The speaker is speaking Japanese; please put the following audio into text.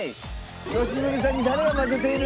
良純さんに誰を混ぜている？